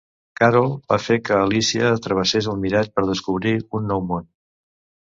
Carroll va fer que Alícia travessés el mirall per descobrir un nou món.